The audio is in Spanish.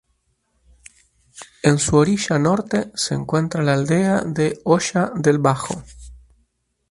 En su orilla norte se encuentra la aldea de Hoya del Bajo.